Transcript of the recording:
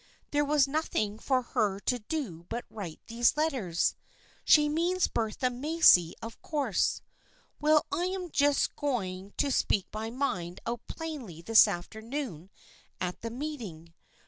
There was nothing for her to do but write these letters. She means Bertha Macy of course. Well, I am just going to speak my mind out plainly this afternoon at the meeting.